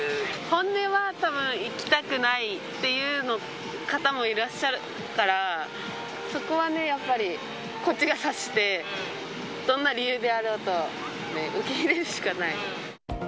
本音はたぶん、行きたくないっていう方もいらっしゃるから、そこはね、やっぱり、こっちが察してどんな理由であろうと、受け入れるしかない。